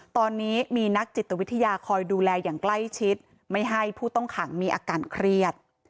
ตอนนี้มีนักจิตวิทยาคอยดูแลอย่างใกล้ชิดไม่ให้ผู้ต้องขังมีอาการเครียด